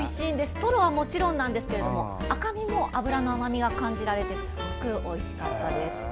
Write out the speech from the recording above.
トロはもちろんなんですが赤身も脂の甘みが感じられてすごくおいしかったです。